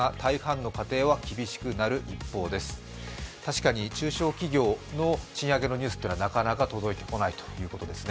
確かに中小企業の賃上げのニュースはなかなか届いてこないということですね。